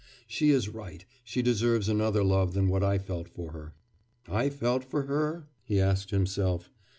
She is right; she deserves another love than what I felt for her. I felt for her?' he asked himself.